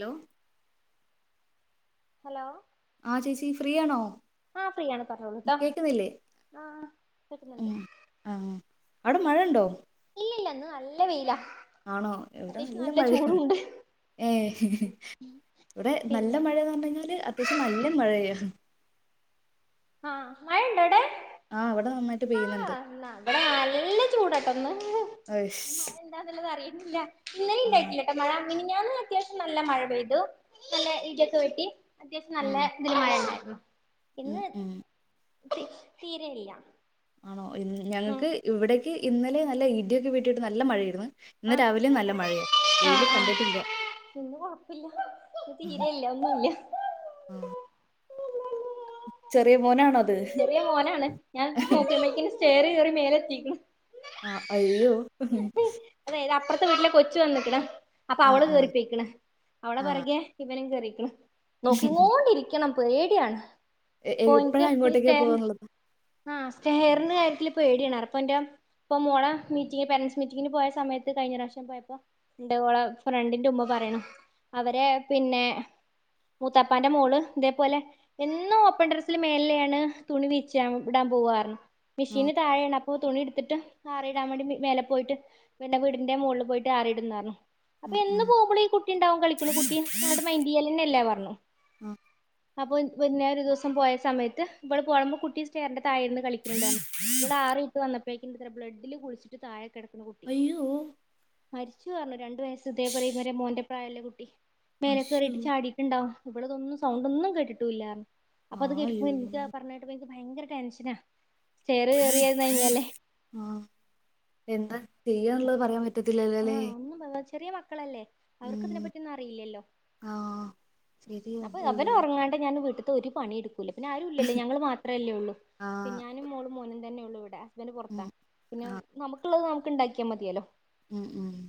Law hello ആ ചേച്ചി ഫ്രീയാണോ ആ ഫ്രീയാണ് പറഞ്ഞോളൂട്ടോ കേക്കുന്നില്ലേ ആഹ് കേക്കുന്നുണ്ട് മ് ആ അവിടെ മഴണ്ടോ ഇല്ല ഇല്ല ഇന്ന് നല്ല വെയില ആണോ ഇവിടെ നല്ല മഴയാണ് ഏ ഇവിടെ നല്ല പിന്നെ മഴാന്ന് പറഞ്ഞാല് അത്യാവശ്യം നല്ല മഴയാ ആ മഴ ഉണ്ടവിടെ ആഹ് വടെ നന്നാ ആണോ ബടെ ന നല്ല ചൂടട്ടൊന്ന് അഹ്ശ് ഇല്ല ഇന്നലീ ണ്ടായിട്ടില്ലട്ടോ മഴ മിനിഞാന്ന് അത്യാവശ്യം നല്ല മഴ പെയ്തു നല്ല ഇഡ്യോക്കെ വെട്ടി അത്യാവശ്യം ആ നല്ല ഇതിലെമഴണ്ടാർന്നു. ഉം ഇന്ന് ഉം തീരെല്ല ഞങ്ങക്ക് ഇവിടെ ഇന്നലെ നല്ല ഇട്യോക്കെ വെട്ടിയിട്ട് നല്ല മഴയായിരുന്ന് അ അ അ കണ്ടിട്ടില്ല പിന്നെ കൊഴപ്പില്ല തീരെല്ല ഒന്നുംല്ല ചെറിയമോനാണോ ചെറ്യേ മോനാണ് ഞാൻ നോക്കുമ്പോക്കിന് ചേയറി കേറി മേലെത്തീക്ക്ണ്. ആഹ് അയ്യോ അതേതാ അപ്പർത്തെ വീട്ടിലെ കൊച്ച് വന്ന്ക്ക്ണ്. അപ്പൊ ആ അവള് ആ കേറിപ്പെയ്ക്ക്ണ് അവളെ പെറകെ ഇവനും കേറി ക്ക്ണ് നോക്കിങ്ങോണ്ടിരിക്കണം പേഡ്യാണ് എ ഏ പ്പഴാ ഇങ്ങോട്ടേക്കാ പോവ്ന്ന്ള്ളത് ആഹ് സ്റ്റേറിന്ന് ആര്യത്തില് പേടിയാണ്. ആടെപ്പന്റെ ഇപ്പൊ മോളെ മീറ്റിങ്ങ് പേരൻറ്സ് മീറ്റിംഗിന് പോയെ സമയത്ത് കഴിഞ്ഞറാവശ്യം പോയപ്പോ ണ്ട് ഓളെ ഫ്രണ്ടിന്റെ മ്മ പറയണ് അവരെ പിന്നെ മൂത്താപ്പാന്റെ മോള് തേപോലെ എന്നും ഓപ്പൺ ടറസ്സിൽ മേളിലാണ് തുണി വീച്ചി അ ടാൻ പോവാർ ആ മിഷീന് താഴേണപ് ഓ തുണി ട്ത്തിട്ട് ആറിയിടാൻ വേണ്ടി മ് മേലെ പോയിട്ട് പിന്നെ വീടിന്റെ മോള് പോയിട്ട് ആറിടുന്നർഞ് അപ്പൊ ഉം എന്ന് ഉം പോവുമ്പളൂ ഈ കുട്ടി ണ്ടാവും കളിക്ക്ണ് കുട്ടി ന്നങ്ങട്ട് മൈന്റെയ്യലെന്നെല്ലാ പർഞ് ആ അപ്പൊ പിന്നെ ഒരു ദിവസം പോയ സമയത്ത് വൾ പോണമ്പോ കുട്ടി സ്റ്റയറിന്റെ താഴെര്ന്ന് കളിക്ക്‌ണ് ണ്ടർഞ് വൾ ആറിട്ട് വന്നപ് [unintelligible] ബ്ലഡില് കുളിച്ചിട്ട് താഴെ കെടക്കുന്ന കുട്ടി. അയ്യോ! മരിച്ചു പറഞ്ഞു രണ്ടു വയസ്സ് ഇതേപോലെ ഇവരെ മോന്റെ പ്രായള്ള കുട്ടി. മേലെ അശ്ശോ! കയറീട്ട് ചാടീട്ടിണ്ടാവും. ഇവള്തൊന്നും സൗണ്ടൊന്നും കേട്ടിട്ടൂല്ലാ. അപ്പോ അത് ആയോ! കേട്ടപ്പോ ഇനിക്കാ പറേഞ്ഞട്ടപ്പോ ഇനിക്ക് ഭയങ്കര ടെൻഷനാ. ആ എന്താ സ്റ്റെയറ് കേറി ഇരുന്ന് [unintelligible] കഴിഞ്ഞാലേ ആണല്ലോ? പറയാൻ പ റ്റത്തില്ലല്ലലേ. ചറിയ മക്കളല്ലേ? അവർക്ക് ഇതിനെ പറ്റിയൊന്നും അറീലല്ലോ ആ ശരിയാ അപ്പോ ഉയ്യോ. അവനൊറങ്ങാണ്ട് ഞാൻ വീട്ട് ഒരു പണി ഇട് ക്കൂല്ലാ പിന്നാരൂല്ലല്ലോ ഞങള് മാത്രല്ലേ ഉള്ളു ആ ഞാനും മോളും മോനും തന്നെയു ഉള്ളു ഇവടെ. ഹസ്ബൻ്റ് പൊറത്താ ഉം പിന്നെ നമുക്കുള്ളത് ന ക് ണ്ടാക്കിയാ മതിയേലൊ മ്മ് മ്മ്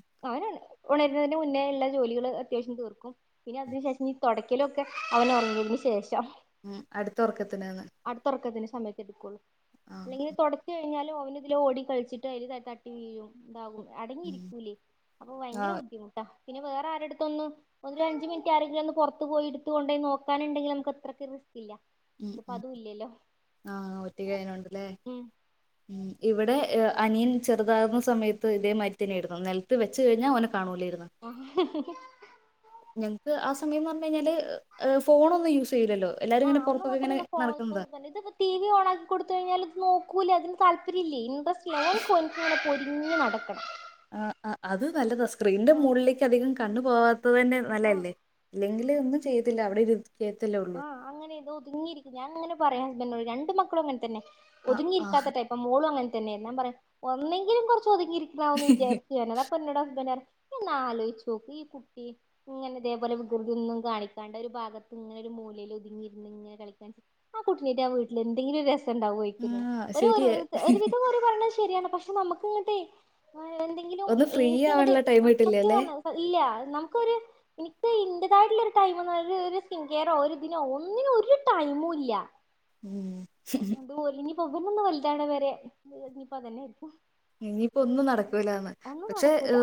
ഉണരുന്നതിൻ്റെ മുന്നേ എല്ലാ ജോലികൾ അത്യാവശ്യം തീർക്കും പിന്നെ അതിനു ശേഷം ഞ് തൊടയ്ക്കലൊക്കെ അവനൊറങ്ങിയതിനന് ശേഷം മ്മ് അട്തൊറകത് അട്ത്തെർക്കത്തിന്ശ് സമയത്തെട്കോള്ളു ആ ഇല്ലെങ്കില് തൊടച്ച് കഴിഞ്ഞാല് ഓവനാ ഇതിലെ ഓടി കൾച്ചിട്ട് അയിൽ തട്ടി വീഴും താകും ഉം അടങ്ങിയിരിക്കൂലേ അപ്പൊ ആ ഭയങ്കര ബുദ്ധിമുട്ടാ പിന്നെ വേറെ ആരെട്ത്തൊന്നും ഒരഞ്ച് മിനിറ്റ് ആരെങ്കിലും ഒന്ന് പൊർത്ത് പോയി ഇട്ത്ത്കൊണ്ടോയി നോക്കാന്ണ്ടെങ്കിൽ അമ്മക് അത്രക്ക് റിസ്കില്ല മ് മ് ആ ഒറ്റകായേനോണ്ട് ല്ലേ ഉം മ് ഇവടെ ങ് അനിയൻ ചെറുതാകുന്ന സമയത്ത് ഇതേ മാരി തന്നെരായിരുന്നു നെൽത്ത് വെച്ച് കഴിഞ്ഞാ ഓന് ആഹ് ഞങ്ങക്ക് ആ സമയംന്നർഞ്ഞാല് ഫോൺ ഒന്ന് യൂസ് ചെയ്യൂലല്ലോ എല്ലാരും ആ ഇങ്ങനെ അന്ന് പുറത്തൊക്കെ മാത്രം ഇങ്ങനെ നടക്കുന്നതാ [unintelligible] ഇത് പോ ടി വി ഓണാക്കി കൊടുത്ത് കയിഞ്ഞാല് ഇത് നോക് ക്കൂല ഇതിന് താല്പര്യേല്ല ഇൻട്രസ് ല്ല [unintelligible] [unintelligible] നടക്കണം ആ ആ അത് നല്ലതാ സ്ക്രീന്റെ ആഹ് മുകളിലേക്ക് അധികം കണ്ണ് പോവാത് [unintelligible] ആഹ് നല്ലല്ലേ ഇല്ലെങ്ക് ല്ല ഒന്നും ചെയ്തില്ല അവിടെ ഇരു ആ അങ്ങനെ ഇത് ഒതുങ്ങിയിരിക്കും ഞാൻ ഇങ്ങനെ പറയാ നൊള്ളു രണ്ട് മക്കളും ഇങ്ങൻ തന്നെ ആ ഒതുങ്ങി ആ ഇരിക്കാത്ത ടൈപ്പാ മോളും അങ്ങന [unintelligible] പറയാ ഒന്നെങ്കിലും കൊറ ഒതുങ്ങിയിരിക്ക്ണവും ന്ന് വിചാരിച്ചു ഞാൻ പറഞ് അപ്പം ഇന്നോട് ഹസ്ബൻഡ് പറ ഇയൊന്ന് ആലോയിച്ചോക്ക് ഈ കുട്ടി ഇങ്ങനെ ഇതേപോലെ വികൃതിയൊന്നും കാണിക്കാണ്ട്‌ ഒര് ഭാഗത്ത് ഇങ്ങ ഒര് മൂലയില് ഒതുങ്ങി ഇരുന്ന് ഇങ്ങനെ കളിക്കാൻ ആ കുട്ടിനിയായിട്ട് വീട്ടിൽ എന്തെങ്കിലും ഒര് രസ ണ്ടാവോ [unintelligible] ആ ഒര് ഒര് ശരിയാ. ഒരുവിധം ഓര് പറിണേ ശ രിയാണ് പക്ഷെ നമ്മക്ക് ഇങ്ങട്ടെ എന്തെങ്കിലും ഒന്ന് ഫ്രീ എനിക്കങ്ങട്ട് ആവാനുള്ള ടൈം അ സത്യം കിട്ടില്ലല്ലേ? പറഞ്ഞ ഇല്ല നമുക്കൊരു ഇൻക്ക് ഇന്റതായിട്ടുള്ള ഒരു ടൈം ഒര് ഒര് സി വേറെ ഒര് ദിനോ ഒന്നിനും ഒരു ടൈമും ഇല്ല ഉം ഇപ്പം ഇവനൊന്ന് വലുതാണേ വരെ ഇഞ് ഇപ്പം അതന്നെയാരിക്കും ഇനിയിപ്പോ ഒന്നും നടക്കൂലാന്ന് പക്ഷേ നടക്കൂല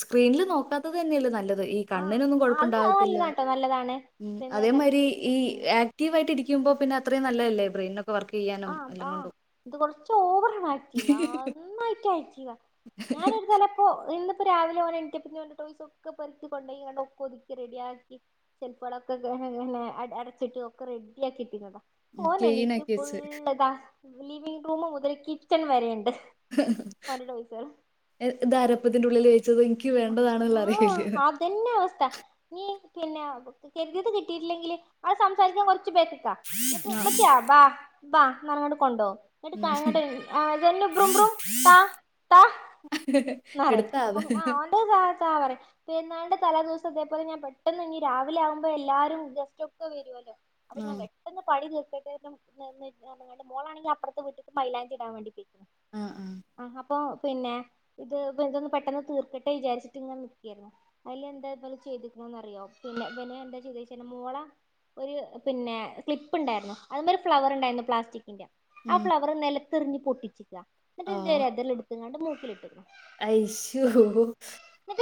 സ്ക്രീനിൽ നോക്കാ ത്തത് തന്നെയല്ലെ നല്ലത് ഈ ആഹ് കണ്ണിനൊന്നും അത് കൊഴപ്പണ്ടാവത്തില്ല നല്ലതാട്ടോ നല്ലതാണ് ഉം പിന്നെ അതേ മായിരി കണ്ണിന് ഈ പ്രശ്നല്ല ആക്ടീവ് ആയിട്ട് ഇരിക്കുമ്പോ പിന്നെ അത്രേം നല്ലെയ ലൈബ്ര [unintelligible] ആ ആ ഇത് കൊറച്ച് ഓവർ ആക്റ്റീവ് [unintelligible] [unintelligible] ആക്റ്റീവാ ഞാനൊരു തലപ്പോ ഇന്ന് ഇപ്പൊ രാവിലെ ഓന് എണീറ്റപ്പോ ഓന്റെ ടോയ്സ് ഒക്കെ പെർക്കി കൊണ്ടോയാണ്ട് ഒക്കെ ഒത്ക്കി റെഡിയാക്കി ഷെൽഫാൾ ഒക്കെ അടച്ചിട്ട് ഒക്കെ റെഡി ആക്കിയിട്ടിനെതാ ക്ലീൻ ഓനെണീക്കും ആക്കി വെച്ച്. ഫുള്ള്താ ലിവിംഗ് റൂമ് മുതൽ കിച്ചൺ വരെണ്ട് ഇതാരാപ്പതിന്റെ ഉള്ളിൽ വെ ച്ചത് ഇൻ ആ അതെന്നെ അവസ്ഥ ഇനി പിന്നെ കുത്തിക്കേറ്റിയത് കിട്ടിയിട്ടില്ലെങ്കിൽ അഹ് സംസാരിക്കാൻ കൊ ച്ച് ബേക്ക്ക്കാ ഇന്നട്ട് ആ ആ ഉമ്മച്ചിയെ ബാ ബാ നമ്മള് കൊണ്ടോവും ഇങ്ങട്ട് ഉം തലങ്ങോണ്ട്‌ സെന്നു ബ്രുംബ്രും താ താ ന്ന് എടുത്താ അത് ആ ഓന്റെ [unintelligible] പെരുന്നാളിന്റെ തലേ ദിവസം ഇതേപോലെ ഞാൻ പെട്ടെന്ന് ഇഞ് രാവിലെ ആകുമ്പോ എല്ലാരും ഗസ്റ്റ് ഒക്കെ വരോല്ലോ അപ്പൊ ഞാൻ ആഹ് പെട്ടെന്ന് പണി തീർക്കട്ടെ [unintelligible] [inaudible] മോളണെങ്കിൽ അപ്പുറത്തെ വീട്ടിക്ക് മൈലാഞ്ചിടാൻ വേണ്ടി പോയി ആ ആ ഇപ്പ പിന്നെ ഇത് എന്തൊന്ന് പെട്ടെന്ന് തീർക്കട്ടെ വിചാരി ങ്ങൾ നോക്കായിരുന്നു അതിൽ എന്തോ ചെയ്തേക്കണേ എന്ന് അറിയാമോ പിന്നെ പിന്നെ എന്താ ചെയ്തച്ച മോള ഒരു പിന്നെ ക്ലിപ്പ് ഉണ്ടായിരുന്നു അതി മേലെ ഒരു ഫ്ലവർ ഉണ്ടായിരുന്നു പ്ലാസ്റ്റിക്കിന്റെ ആ ഉം ഫ്ലവർ നില തെറിഞ്ഞി പൊട്ടിച്ച് എന്നിട്ട് അതിന്റെ ഇതൾ എട് - എങ്ങാണ്ട് മൂക്കിലിട്ട് ഐശോ [inaudible]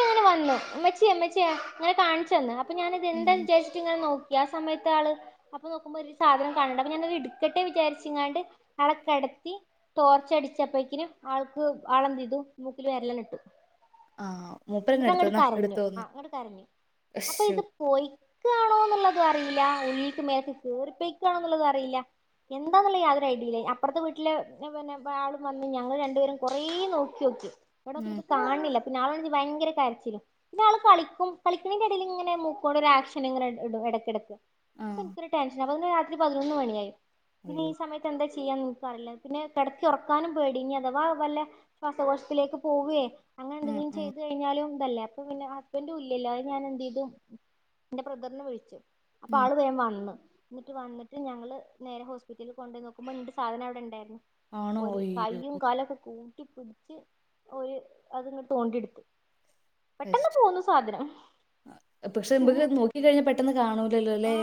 ഉമ്മച്ചി ഉമ്മച്ചി ഇങ്ങനെ കാണിച്ചു തന്നു ഞാനിത് എന്താ ഉം വിചാരിച്ചത് ഇങ്ങനെ നോക്ക്- ആ സമയത്ത് ആള് അപ്പൊ നോക്കുമ്പോ ഒരു സാധനം കാണണ്ട അപ്പൊ ഞാന എടുക്കട്ടെ വിചാരിച്ചങ്ങാണ്ട് ആളെ കിടത്തി ടോർച്ച് അടിച്ചപ്പേക്കും ആൾക്ക് ആളെന്ത് ഇതു മൂക്കില് വിരല് ഇട്ടു ആ എന്നിട്ട് അങ്ങോട്ടക്കരഞ്ഞു ആ അങ്ങട്ടക്കരഞ്ഞു അപ്പൊ അശ്ശോ ഇത് പോയി. ണോ എന്നുള്ളത അറിയില്ല ഉക്ക് മേല കേറിപ്പക്കണോ എന്നുള്ളത് അറിയില്ല എന്താന്നല്ല യാതൊരു ഐഡിയയില്ല അപ്പുറത്തെ വീട്ടിലെ പിന്നെ ആളും വന്ന് ഞങ്ങൾ രണ്ടുപേരും കൊറെ നോക്കിയോക്കി. ഉം ഇവിടക്ക ഇ കാണില്ല നാലഞ്ച് ഭയങ്കര കരച്ചിലും പിന്നെ ആള് കളിക്കും കളിക്കുന്നതിന്റെടയിൽ ഇങ്ങനെ മൂക്കോണ്ട് ആക്ഷൻ ഇങ്ങനെ ഇ ഇടക്കിടക്ക് ആഹ് ക്ക് ടെൻഷന പ രാത്രി പതിനൊന്ന് മണിയായി. പിന്നെ ഈ അയ്യോ സമയത്ത് എന്താ ചെയ്യാൻ നിക്കാറില്ല പിന്നെ കിടത്തി ഉറക്കാനും പേടി ഇനി അഥവാ വല്ല ശ്വാസകോശത്തിലേക്ക് പോവയേ ഉം അങ്ങനെന്തെങ്കിലും ഉം ചെയ്തു കഴിഞ്ഞാലും ല്ലേ അപ്പ പിന്നെ ഹസ്ബൻഡ ഇല്ലല്ലോ അത് ഞാൻ എന്ത് ചെയ്തു എന്റെ ബ്രദറിനെ വിളിച്ചു അപ്പൊ ഉം ആള് വേ വന്ന് എന്നിട്ട് വന്നട്ട് ഞങ്ങള് നേരെ ഹോസ്പിറ്റലിൽ കൊണ്ടപോയി നോക്കുമ്പോൾന്റെ സാധനം അവിടെ ഉണ്ടായിരുന്നു ആണോ ഒരു അയ്യോ കയയും കാലക്കെക്കവും കുടി [unintelligible] ഒരു അത്ങ്ങ് തോണ്ടിയെടുത്ത് പെട്ടെന്ന് പോന്നു സാധനം പക്ഷെ നമക്ക് നോക്കിക്കഴിഞ്ഞാ പെട്ടെന്ന് കാണൂലല്ലോ അല്ലേ?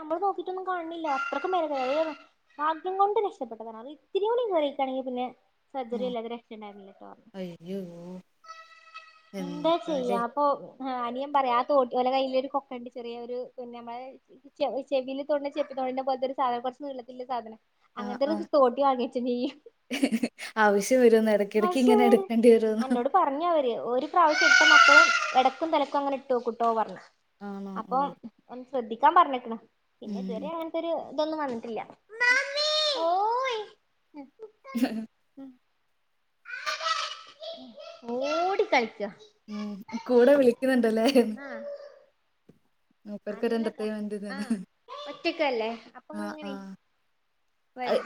നമ്മള് നോക്കിട്ടൊന്നും കാണില്ല അത്രക്കും വര ഭാഗം കൊണ്ട് രക്ഷപ്പെട്ടതരാത് ഇത്തിരിയും കൂടിറിയിക്കയാണെങ്കിൽ പിന്നെ സർജറി ആഹ് ഇല്ലാതെ രക്ഷണ്ടായിരില്ലട്ടോ അയ്യോ എന്താ ചെയ്യാ എന്താലേ അപ്പൊ ആഹ് അനിയൻ പറയാ ആ തോട്ടി ഓല കയ്യിലോരു കൊക്കണ്ട് ചെറിയൊരു [unintelligible] ചെവിയില് തൊണ്ടണ ചെപ്പി തൊണിന്റെ പോലത്തെരു സാനം കൊറച്ച് നീള്ളത്തില സാനം ആഹ് ആഹ് അങ്ങനത്തൊരു തോട്ടി വാ [unintelligible] ആവശ്യം വരുന്ന് എടക്കിടക്ക് ആവശ്യ ഇങ്ങനെ വരെ എടുക്കേണ്ടി വരുന്ന് അന്നോട് പറഞ്ഞു അവര് ഒരു പ്രാവശ്യം ഇട്ടാ മക്കള് എടക്കും തലക്കുമ്മ് അങ്ങനെ ഇട്ടു വെക്കുട്ടോ പറഞ്ഞ് ആണോ അപ്പോം ഓഹ് [unintelligible] ശ്രദ്ധിക്കാൻ പറഞ്ഞെക്കണു പിന്നെ ഇത് വരെ ഉം അങ്ങനത്തൊര് ഇതൊന്നും വന്നിട്ടില്ല മമ്മി ഓയ് ഉം ഓട് ടി കളിച്ചോ കൂടെ വിളിക്കുന്ന്ണ്ടല്ലേ ആഹ് മൂപ്പർക്ക് നല്ല ഒരേന്റർടൈൻമെൻറ്റ്ന്ന് ആഹ് ഒറ്റക്കല്ലേ അപ്പൊ ആഹ് ഇങ്ങനെ ആഹ് വരും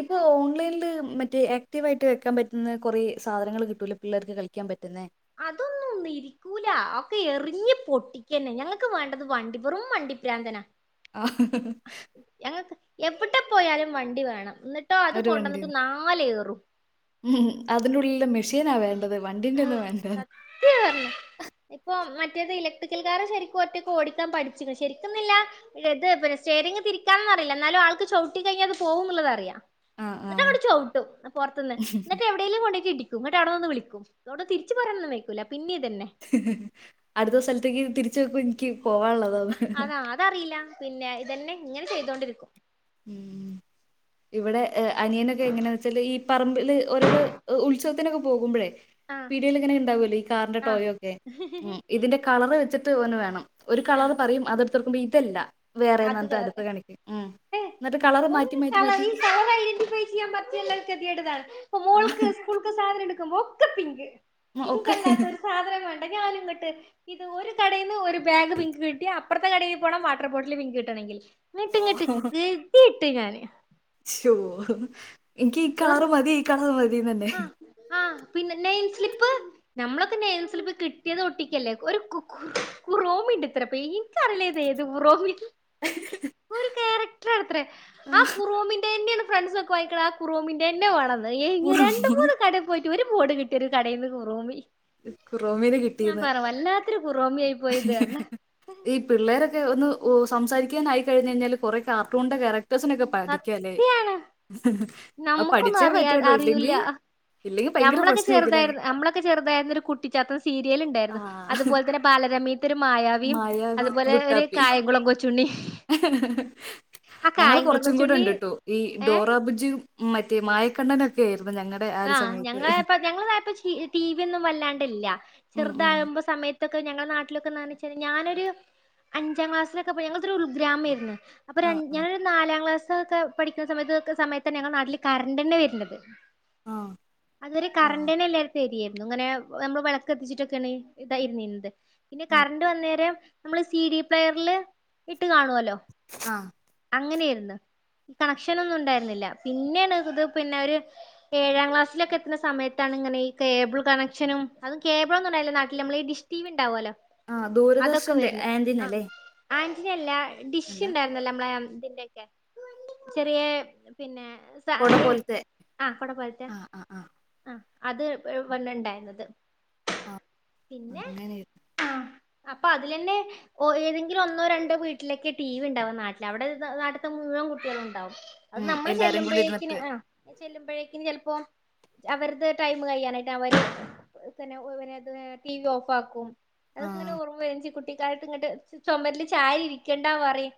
ഇപ്പൊ ഓൺലൈനില് മറ്റേ ആക്റ്റീവ് ആയിട്ട് വെക്കാൻ പറ്റുന്ന കൊറേ സാധനങ്ങള് കിട്ടുലോ പിള്ളേർക്ക് കളിക്കാൻ പറ്റുന്നെ അതൊന്നും ഒന്നും ഇരിക്കൂല ഒക്കെ എറിഞ്ഞ് പൊട്ടിക്കന്നെ ഞങ്ങക്ക് വേണ്ടത് വണ്ടിപെറും വെറും വണ്ടിപ്രാന്തനാ ആഹ് എവടെ പോയാലും വണ്ടി വേണം ഇന്നട്ടോ അത് കൊണ്ടന്നിട്ട് നാലേറും ഉമ് അതിന്റെ ഉള്ളില് മെഷീനാ വേ ഹഅ് സത്യാ പർഞ്ഞെ ഇപ്പൊ മ മറ്റെത് ഇലക്ട്രിക്കൽ കാർ ശരിക്കും ഒറ്റക്ക് ഓടിക്കാൻ പഠിച്ച്ക്ക്ണ് ശരിക്ക്ന്ന്ല്ല ഇത് പിന്നെ സ്റ്റിയറിങ് തിരിക്കാനൊന്നും അറീല്ല ഇന്നാലും ആൾക്ക് ചവിട്ടികഴിഞ്ഞാൽ അത് പോകും ന്നുള്ളത് അറിയാം ആഹ് എന്നിട്ട് ആഹ് അവിടെ ചവിട്ടും പുറത്ത്ന്ന് എന്നിട്ട് എവിടെേലും കൊണ്ടയിട്ട് ഇടിക്കും എന്നിട്ട് അവിടെ നിന്ന് വിളിക്കും ന്നോട് തിരിച്ചു പറയാൻ ഒന്നും വൈക്കൂല്ല അടുത്ത സ്ഥലത്തേക്ക് തിരി ച്ചു കുൻ ക്യും അതാ അതറിയില്ല പിന്നെ ഇതന്നെ ഇങ്ങനെ ചെയ്തോണ്ടിരിക്കും ഉം ഇവിടെ അനിയനൊക്കെ എങ്ങനെയന്ന് വെച്ചാല് ഈ പറമ്പില് ഓരോരോ ഉത്സവത്തിനൊക്കെ പോകുമ്പഴേ ആഹ് പീടിയേൽ ഇങ്ങനെ ഉണ്ടാവല്ലോ ഈ കാറിന്റെ ആഹ് ടോയ് ഒക്കെ ഇതിന്റെ കളർ വെച്ച് ത് ഓന് വേണം ഒരു കളർ ആഹ് പറയും അതെടുത്തുകൊടുക്കുമ്പയി ഇതല്ല വേറെ അത് എന്നിട്ട് കളർ അടുത്ത കാണിക്കും ഉമ് ഏഹ് ഒരു കളറും ഈ കളർ ഐഡന്റിറ്റിഫൈ ചെയ്യാൻ പറ്റ്ണ്ല്ല ഒരു കെത്യേട് ഇതാണ് ഇപ്പം ആ, മോൾക് ഉസ്കൂൾക്കു സാനം എടുക്കുമ്പോ ഒക്കെ പിങ്ക് ഒക്കെ പിങ്കല്ലാത്തൊരു സാധനം വേ ണ്ട ഞാന് ഇങ്ങട്ട് ഇത് ഒരു കടേന്ന് ഒരു ബാഗ് പിങ്ക് കിട്ടി അപ്പ പ്പറത്തെ കടേ പോണം വാട്ടർബോട്ട് ല് പിങ്ക് കിട്ടണെങ്കിൽ നിട്ടങ്ങിട്ട് ഗതി തികെട്ട് ഞാന് ശോ എനിക്ക് ഈ വെർ കളറ് മതി ഈ കളർ മതി തീ നന്നെ ആഹ് ആഹ് പിന്നെ നെയിംസ്ലിപ്പ് ഞമ്മളൊക്കെ നെയിം സ്ലിപ്പ് കിട്ടിയത് ഒട്ടിക്കല്ലേ ഒരു കു കു കുറോമ് ഇണ്ടത്രേ എനിക്കറിയില്ല ഇത് ഏത്കുറോമിൻ ഒരു ക്യാരക്ടർ ആണത്രേ ആ കുറോമിന്റെന്നെയാണ് ഫ്രണ്ട്സ് ഒക്കെ വാങ്ങിക്കണ ആ കുറോമിന്റെന്നെ വേണംന്ന് [unintelligible] രണ്ട് മൂന്ന് കടേ പോയിട്ട് ഒരു ബോർഡ് കി ഒരു കടേന്ന് കുറോമി കുറോമീനെ ഞാൻ കിട്ടീന്ന് പറ വല്ലാത്തൊരു കുറോമിയായി പോയിത് പറഞ്ഞ് ഈ പിള്ളേരൊക്കെ ഒന്ന് ഓ സംസാരിക്കാനായി കഴിഞ്ഞ ഴിഞ്ഞാല് കുറേ കാർട്ടൂണിൻ്റെ ക്യാരക്ട ർസിനൊക്കെ പഠിക്ക ല്ലേ സത്യാണ് നമ്മുക്കൊന്നും അറിയാത അറിയൂല്ല ഇല്ലെങ്കി ഭയങ്കര ഞമ്മളൊക്കെ പ്രശ്നായിരിക്കുംല്ലേ ചെറുതായിരുന്ന് നമ്മളൊക്കെ ചെറുതായി കുട്ടിച്ചാത്തൻ സീരിയേല് ആ ഇണ്ടായ്ര്ന്ന്. അതുപോലെ തന്നെ ബാലരമ്മേം ത്തൊരു മായാവിയും മായാവി അതുപോലെ ഒരു ലുട്ടാപ്പി കായംകുളം കൊച്ചുണ്ണി ആ ഞങ്ങള് കായംകുളം കൊറച്ചും കൂടെ കൊച്ചുണ്ണി ഉണ്ട്ട്ടോ ഈ ഏ ഡോറബുജി മറ്റേ മായക്കണ്ണനൊക്കെ ആയിരുന്നു ഞങ്ങടെ ഒരു ആ സമയത്ത് ഞങ്ങളായപ്പം ഞങ്ങളതായപ്പെ ടി വി ഒന്നും വല്ലാണ്ടല്ല ഉം ഉം ചെറുതാകുമ്പോ സമയ ത്തൊക്കെ ഞങ്ങളെ നാട്ടിലൊക്കെ എന്താന്നുവെച്ചാല് ഞാൻ ഒരു അഞ്ചാം ക്ലാസിലൊക്കെ പ ഞങ്ങൾതൊരു ഉൾഗ്രാമേര്ന്ന് അപ്പൊ ആ രൺ ഞാനൊരു നാലാം ക്ലാസ് ഒക്കെ പഠിക്ക്ണ സമയത്ത് സമയത്തന്നെ ഞങ്ങൾ നാട്ടില് കറണ്ടന്നെ വര്നത് ആ ആ അതൊരു ആ കറണ്ടനല്ലേ അത് ശെരി ആണ് എന്നും ഇങ്ങനെ നമ്മള് വിളക്കെത്തിച്ചിട്ടൊക്കെയാണ് ഇതായിരുന്നീരുന്നത് പിന്നെ ഉം കറണ്ട് വന്നേരം നമ്മള് സി ഡി പ്ലെയറില് ഇട്ട് കാണുവല്ലോ ആ അങ്ങനെയായിരുന്നു കണക്ഷഒന്നും ഉണ്ടായിരുന്നില്ല പിന്നെയാണ് ഇത് പിന്നെ ഒരു ഏഴാം ക്ലാസിലക്കെ എത്തുന്ന സമയാണ് ഇങ്ങനെ ഈ കേബിൾ കണക്ഷനും അതുകേബിളൊന്നുണ്ടായില്ല നാട്ടിൽ നമ്മളി ഡിഷ് ടി വി ഉണ്ടാവല്ലോ ആ ദൂരദർശന്റെ ആന്റിന അല്ലേ ആന്റിന അല്ല ഡിഷ് ഇണ്ടായിരുന്നല്ലോ നമ്മളെ ഇതിന്റക്കെ ചെറിയെ പിന്നെ കൊട പോലത്തെ കോട പോലത്തെ ആ ആ ആ ആ അത് വേ വന്ന്ണ്ടായിരുന്നത് ആ അങ്ങനെയ ആ അപ്പൊ അതിലന്നെ ഓ ഏതെങ്കിലും ഒന്നോ രണ്ടോ വീട്ടിലൊക്കെ ടി വി ഉണ്ടാവു നാട്ടിൽ അവിടെ നാട്ടത്തെ മൂഴോ കുട്ടികളും ഉണ്ടാവും അത് ഉം നമ്മള് എല്ലാരും കൂടി ചെല്ലുമ്പോഴേക്കിന് ഇരുന്നിട്ട് ആ ചെല്ലുമ്പഴേ ഇനി ചെലപ്പോ അവരത് ടൈം കഴിയാനായിട്ട് അവര് [unintelligible] ടിവി ഓഫ് ആക്കും ആ [unintelligible] കുട്ടിക്കാലത്ത് ഇങ്ങട്ട് ചൊമരില് ചാരി ഇരിക്കണ്ടാ പറയും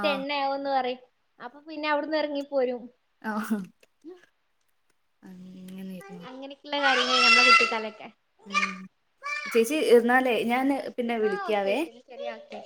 ആ എണ്ണയാവുന്ന് പറയും അപ്പൊ പിന്നെ അവിടുന്ന് എറങ്ങി പോരും ആ അങ്ങനെയിരുന്നു അങ്ങനെയക്കെയുള്ള കാര്യങ്ങൾ നമ്മുടെ കുട്ടിക്കാലൊക്കെ ചേച്ചി ഇരുന്നാലേ ഞാൻ പിന്നെ ആ ഓക്കെ വിളിക്കാവേ ഓക്കെ ശരിയാക്കാം